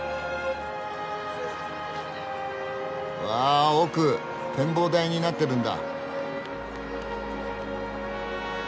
わ奥展望台になってるんだ。